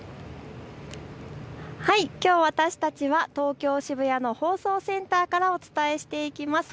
きょう私たちは東京渋谷の放送センターからお伝えしていきます。